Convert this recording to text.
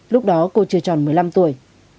lúc đó cô chưa tròn một mươi năm tuổi